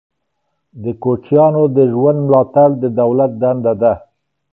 د کوچیانو د ژوند ملاتړ د دولت دنده ده.